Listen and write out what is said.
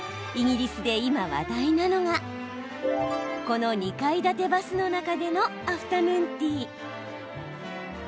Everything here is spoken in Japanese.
イギリスで今、話題なのがこの２階建てバスの中でのアフタヌーンティー。